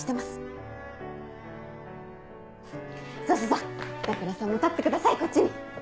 さぁ板倉さんも立ってくださいこっちに。